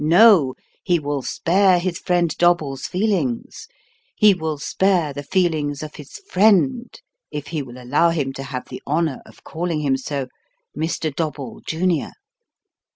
No ; he will spare his friend Dobble's feelings ; he will spare the feelings of his friend if he will allow him to have the honour of calling him so Mr. Dobble, junior.